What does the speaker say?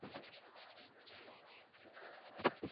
En la actualidad es diputado del Parlamento Europeo.